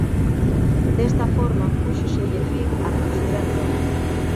Desta forma púxoselle fin á conxura en Roma.